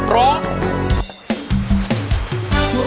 ร้อง